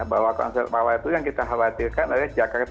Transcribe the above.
bahwa konsep awal itu yang kita khawatirkan adalah jakarta